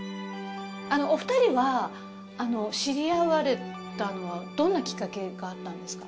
お二人は知り合われたのはどんなきっかけがあったんですか？